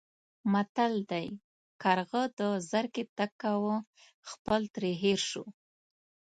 متل دی: کارغه د زرکې تګ کاوه خپل ترې هېر شو.